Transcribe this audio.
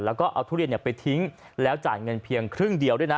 แล้วก็เอาทุเรียนไปทิ้งแล้วจ่ายเงินเพียงครึ่งเดียวด้วยนะ